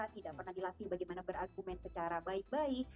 tidak pernah dilatih bagaimana berargumen secara baik baik